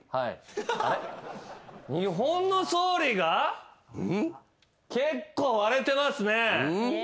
日本の総理が結構割れてますね。